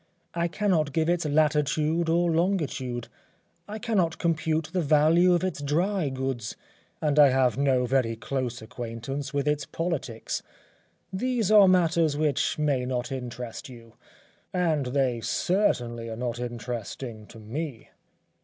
I cannot give its latitude or longitude; I cannot compute the value of its dry goods, and I have no very close acquaintance with its politics. These are matters which may not interest you, and they certainly are not interesting to me.